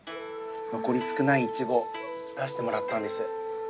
残り少ない一合出してもらったんです。